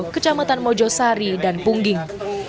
kecamatan mojosari dan pungging